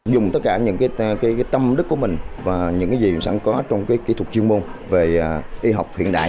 dùng tất cả những tâm đức của mình và những gì sẵn có trong kỹ thuật chuyên môn về y học hiện đại